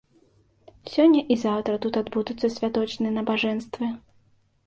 Сёння і заўтра тут адбудуцца святочныя набажэнствы.